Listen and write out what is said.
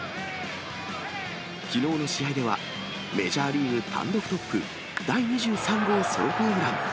きのうの試合では、メジャーリーグ単独トップ、第２３号ソロホームラン。